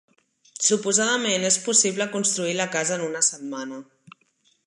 Suposadament és possible construir la casa en una setmana.